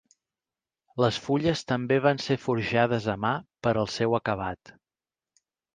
Les fulles també van ser forjades a mà per al seu acabat.